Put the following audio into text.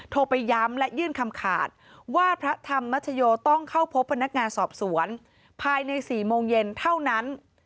ไปย้ำและยื่นคำขาดว่าพระธรรมชโยต้องเข้าพบพนักงานสอบสวนภายใน๔โมงเย็นเท่านั้น